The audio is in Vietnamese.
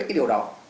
cái điều đó